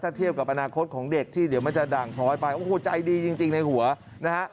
ถ้าเทียบกับอนาคตของเด็กที่เดี๋ยวมันจะด่างพลอยไปโอ้โหใจดีจริงในหัวนะฮะ